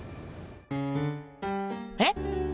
えっ？